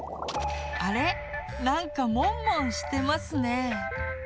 あれなんかモンモンしてますね。